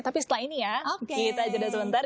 tapi setelah ini ya kita jeda sebentar